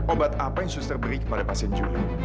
obat apa yang suster berikan kepada pasien julie